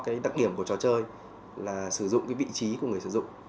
cái đặc điểm của trò chơi là sử dụng cái vị trí của người sử dụng